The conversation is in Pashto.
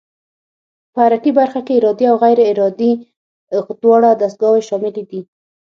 په حرکي برخه کې ارادي او غیر ارادي دواړه دستګاوې شاملې دي.